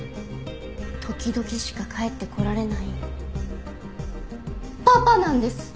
時々しか帰ってこられないパパなんです！